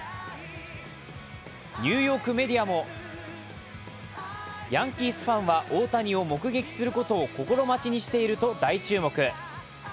ニューヨークメディアも、ヤンキースファンはオオタニを目撃することを心待ちにしていると大注目。